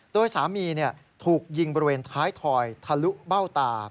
โดยสามีถูกยิงบริเวณท้ายถอยทะลุเบ้าตา